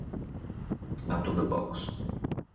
Out of the Box